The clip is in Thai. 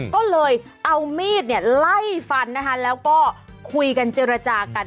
ก็เลยเอามีดเนี่ยไล่ฟันนะคะแล้วก็คุยกันเจรจากัน